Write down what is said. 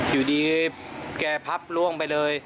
อยู่ดีแกพับล่วงไปเลย